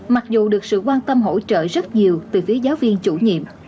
mặc dù được sự quan tâm hỗ trợ rất nhiều từ phía giáo viên chủ nhiệm